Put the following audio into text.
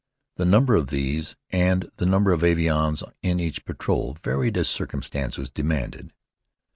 The number of these, and the number of avions in each patrol, varied as circumstances demanded.